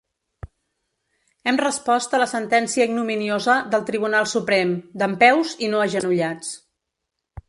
Hem respost a la sentència ignominiosa del Tribunal Suprem, dempeus i no agenollats.